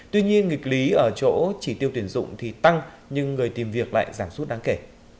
tuy nhiên nghịch lý ở chỗ chỉ tiêu tuyển dụng thì tăng nhưng người tìm việc lại giảm sút đáng kể